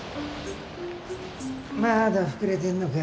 まだ膨れてんのか？